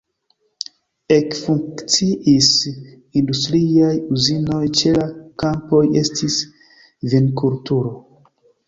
Ekfunkciis industriaj uzinoj, ĉe la kampoj estis vinkulturo.